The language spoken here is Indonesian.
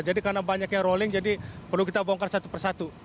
jadi karena banyaknya rolling jadi perlu kita bongkar satu persatu